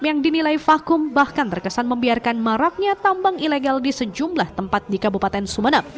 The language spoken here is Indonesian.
yang dinilai vakum bahkan terkesan membiarkan maraknya tambang ilegal di sejumlah tempat di kabupaten sumeneb